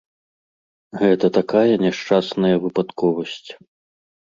Гэта такая няшчасная выпадковасць.